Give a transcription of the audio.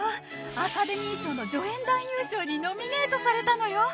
アカデミー賞の助演男優賞にノミネートされたのよ。